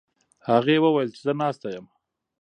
هغې وویل چې زه ناسته یم.